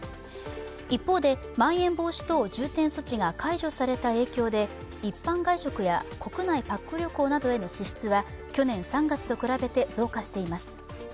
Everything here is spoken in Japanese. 一方で、まん延防止等重点措置が解除された影響で一般外食や国内パック旅行などへの支出は去年３月と比べて増加しています。